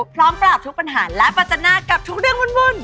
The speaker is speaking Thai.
พร้อมปราบทุกปัญหาและปัจจนากับทุกเรื่องวุ่น